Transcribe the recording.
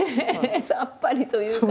さっぱりというか。